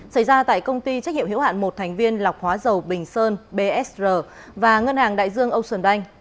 xảy ra tại công ty trách hiệu hiểu hạn một thành viên lọc hóa dầu bình sơn bsr và ngân hàng đại dương âu sườn đanh